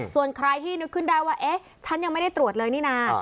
ส่วนใครที่นึกขึ้นได้ว่าเอ๊ะฉันยังไม่ได้ตรวจเลยนี่นะ